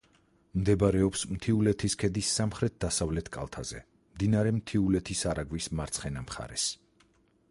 მდებარეობს მთიულეთის ქედის სამხრეთ-დასავლეთ კალთაზე, მდინარე მთიულეთის არაგვის მარცხენა მხარეს.